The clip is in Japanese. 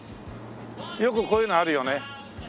よくこういうのあるよね。